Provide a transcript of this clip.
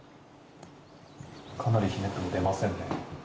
かなりひねっても出ませんね。